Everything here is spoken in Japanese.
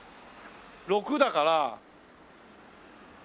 ６だから。